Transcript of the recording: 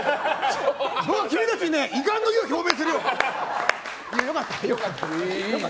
僕は君たちに遺憾の意を表明するよ！